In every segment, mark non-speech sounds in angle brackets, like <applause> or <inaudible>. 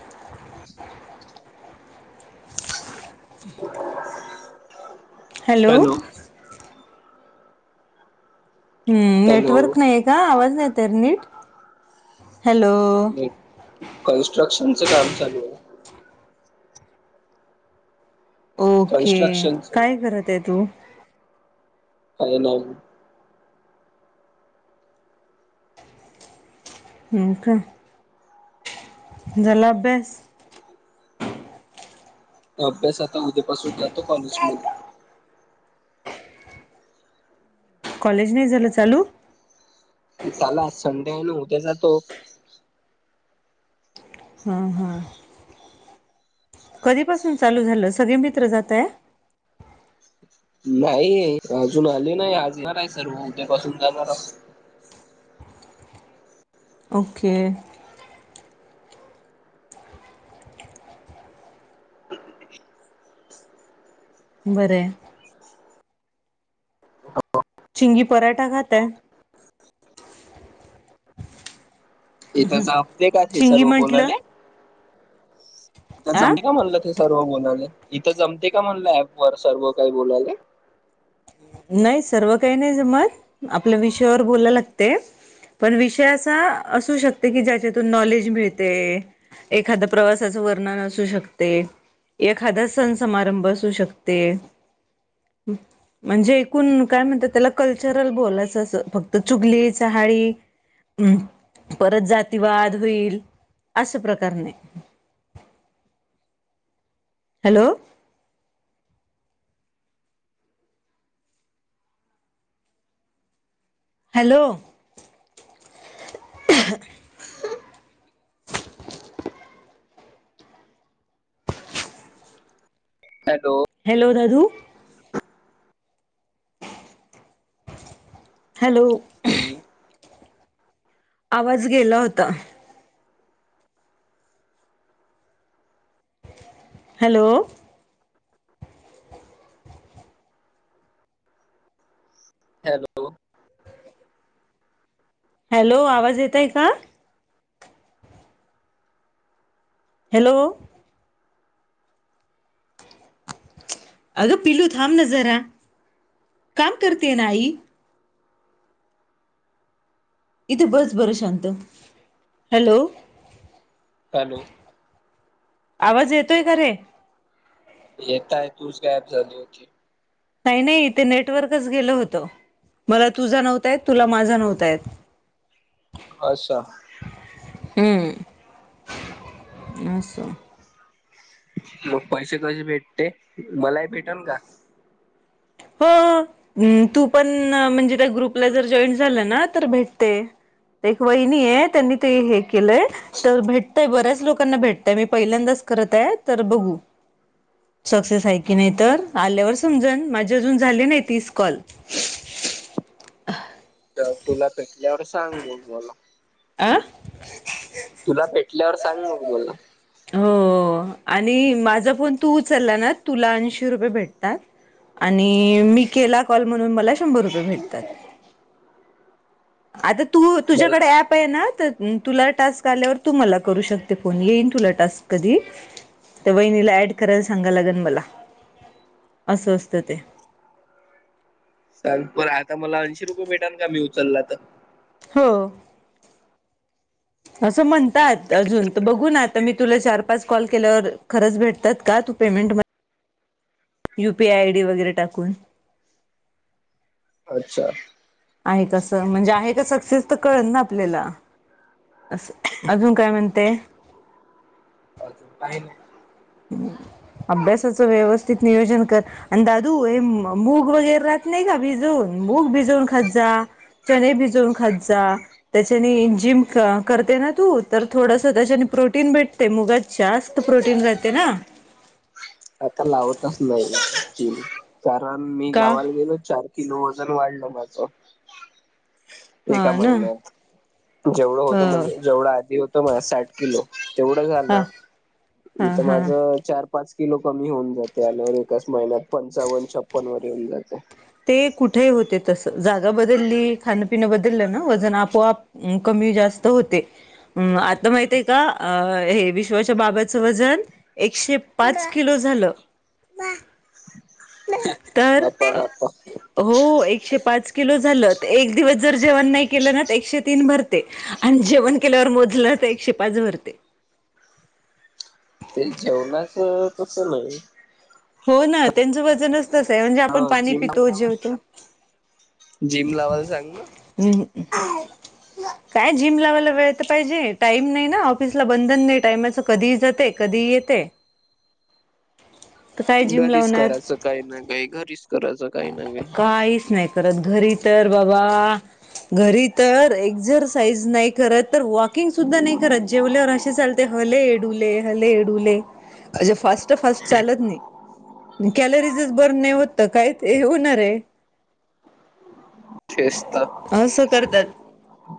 <unintelligible> <unintelligible> Hello हम्म hello network नाही का आवाज नाही तर नीट हॅलो कन्स्ट्रक्शनच काम चालू आहे ओके कन्स्ट्रक्शनच काय करत आहे तू काय ना ह का झाला अभ्यास अभ्यास आता उद्यापासून जातो कॉलेजमध्ये कॉलेज नाही झालं चालू झालं संडे आहे ना उद्या जातो हम हा् कधीपासून चालू झालं सगळे मित्र जातय नाही अजून आले नाही आज येणार आहे सर्व उद्यापासून जाणार ओके बरं चिंगी पराठा खाताय ह् इथं हम् जमते का हे चींगी सर्व म्हंटलं तिला आ जमलं म्हणलं ते सर्व बोला इथं जमते का म्हणलं ऍप वर सर्व काही बोलायला नाही सर्व काही नाही जमत आपल्या विषयावर बोलाय लागते पण विषया असू शकते की ज्याच्यातून नॉलेज मिळते एखाद्या प्रवासा वर्णन असू शकते एखादा सण समारंभ असू शकते हम् म्हणजे एकूण काय म्हणतात त्याला कल्चरल बोलायचं अस फक्त चुगली चहाळी अम् परत जातीवाद होईल असं प्रकारने हॅलो हॅलो हॅलो हॅलो दाधू हॅलो हॅलो आवाज गेला होता हॅलो हॅलो हॅलो आवाज येतय का हॅलो अगं पिलू थम नजरा काम करते ना आई इथ बस बर शांत हॅलो हॅलो आवाज येतोय का रे येेतय तूच गायब झाली होती नाही नाही इथे नेटवर्कच गेल होतं. मला तुझा नव्हता येत तुला माझा नव्हता येत अच्छा हम्म अस.. मग पैसे कसे भेटते मलाही भेटन का <inaudible> हो तू पण म्हणजे त्या ग्रुपला जर जॉईन झालं ना तर भेटते. एक वहिनी आहे त्यांनी ते हे केलंय तर भेटताय बऱ्याच लोकांना भेटताय मी पहिल्यांदाच... करत हेत तर बघू सकसेस आहे कि नाही तर आल्यावर समजण माज जून झाली नाही तीस कॉल तुला भेटल्यावर सांग मग मला अ तुला भेटल्यावर सांग मग मला <unintelligible> आणि माझा फोन तू उचलला ना तुला अंश रुपये भेटतात आणि मी केला कॉल म्हणून मला शंभर रुपये भेटतात. आता तू तुझ्याकडे मला ऍप आहे ना तुला टास्क आल्यावर तू मला करू शकते फोन येईन तुला टास्क कधी त्या वहिणीला ऍड करायला सांगाव लागल मला अस असतं ते सांग प आता मला ऐंशी रुपये भेटान का मी उचला तर हो असं म्हणतात अजून तर बघू ना आता मी तुला चार पाच कॉल केल्यावर खरंच भेटतात का तू पेमेंट म यूपीआय आयडी वगैरे टाकून अच्छा आहे कसं म्हणजे आहे का सक्सेस तर कळत ना आपल्याला असं अजून काय म्हणते. अजून काही नाही अभ्यासाच व्यवस्थित नियोजन कर आणि दादू हे मू मूग वगैरे राहत नाही का भिजू मूग भिजवून खात जा चने भिजवून खातं जा त्याच्यानी जिम करते ना तू तर थोडस त्याच्यानी प्रोटीन भेटते मुग जास्त प्रोटीन राते ना आता लावतच नाही जिम कारण मी का गावाला गेलो चार कीलो वज वाढलं माझ हा एका ना महिन्यात जेवढं ह होतं म्हणजे जेवढं आधी होत म साठ किलो तेवढं हा झालं... हा इथं हा माझं चार पाच किलो कमी होऊन जाते आल्यावर एकाच महिन्यात पंचावन्न छप्पन वर येऊन जातय ते कुठे होते! ! तस जागा बदलली खाणपिन बदललं ना वजन आपोआप कमी जास्त होते. हम्म आता माहित आहे का हे विश्वाच्या बाबच वजन एकशे पाच किलो झा झालं <inaudible> तर बापा बापा <inaudible> हो एकशे पाच किलो झालं तर एक दिवस जर जेवण नाही केलं ना एकशे तीन भरते आणि जेवण केल्यावर मोजलाचा एकशे पाच भरते ते जेवणाच कस नाही हो ना त्यांचं वजनच तस आहे म्हणजे आपण पाणी जिम पितो जेवतो जिम लावायला सांग ना. <inaudible> काय जिम लावायला वेळ तर पाहिजे टाईम नाही ना ऑफिसला बंधन नाही टाईमाच कधीहि जाते कधी कधी येते. तर काय जिम घरीच लावणार करायचं काही ना काही घरीच करायचं काही ना काही. काहीच नाही करत घरी तर बाबा. घरी तर एक्सरसाईज नाही करत तर वॉकिंग सुद्धा नाही करत जेवल्यावर असे चालते. हले एडूले हले एडूले अे फास्ट फास्ट चालत नाही. कॅलरीजस बर्न नाही होत कायं. ते होणार आहे तेच तर असं करतात.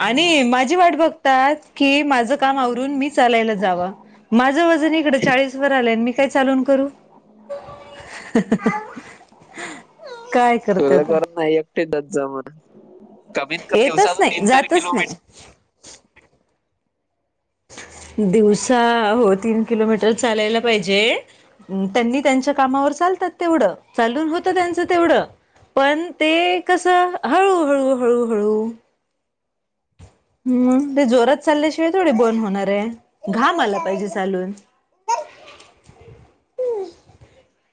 आणि माझी वाट बघतात की माझं काम आवरून मी चालायला जावं. माझं वजन इकडं चाळीस वर आलं मी काय चालून करू. <inaudible> करते तुला आता गरज नाही एकटी जात जा म्हणायच. कमीत कमी येतच दिवसाात तीन नाही तर जातच किलोमीटर नाही दिवसा हो तीन किलोमीटर चालायला पाहिजे. त्यांनी त्यांच्या कामावर चालतात तेवढं चालून होतं त्यांचं तेवढं पण ते कसं हळूहळू हळूहळू. हम्म ते जोरात चालल्या शिवाय थोडी बर्न् होणार आहे घाम आला पाहिजे चालून. हम्.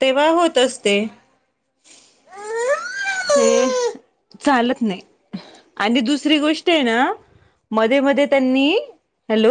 तेव्हा होत असते. ते चालत नाही. आणि दुसरी गोष्ट आहे ना मध्ये मध्ये त्यांनी. हॅलो